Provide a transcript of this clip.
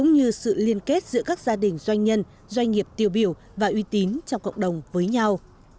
như sự liên kết giữa các gia đình doanh nhân doanh nghiệp tiêu biểu và uy tín trong cộng đồng với nhau